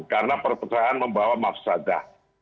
karena perpecahan membawa mafsadah